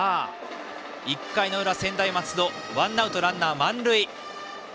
１回の裏、専大松ワンアウト、ランナー満塁。